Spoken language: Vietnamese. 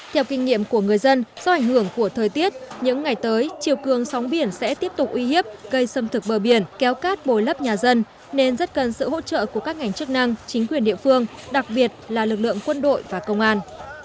theo kinh nghiệm của người dân do ảnh hưởng của thời tiết những ngày tới chiều cường sóng biển sẽ tiếp tục uy hiếp gây sâm thực bờ biển kéo cát bồi lấp nhà dân nên rất cần sự hỗ trợ của các ngành chức năng chính quyền địa phương đặc biệt là lực lượng quân đội và công an